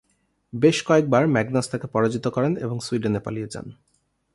বেশ কয়েকবার ম্যাগনাস তাকে পরাজিত করেন এবং সুইডেনে পালিয়ে যান।